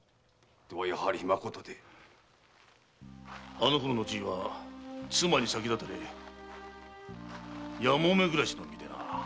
あのころのじいは妻に先立たれやもめ暮らしの身でな。